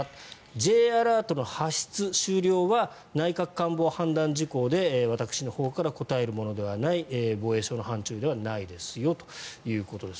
Ｊアラートの発出・終了は内閣官房判断事項で私のほうから答えるものではない防衛省の範ちゅうではないですよということです。